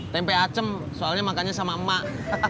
tempe acem soalnya makannya sama emak